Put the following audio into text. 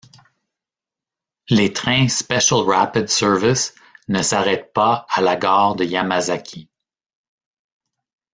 Les trains Special Rapid Service ne s'arrêtent pas à la gare de Yamazaki.